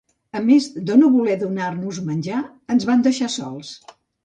A més de no voler donar-nos menjar, ens van deixar sols.